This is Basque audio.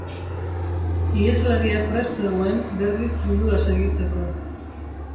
Iheslaria prest zegoen berriz gudua segitzeko.